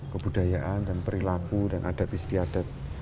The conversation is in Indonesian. kebudayaan dan perilaku dan adat istiadat